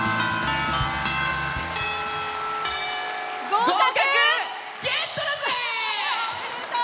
合格、ゲットだぜ！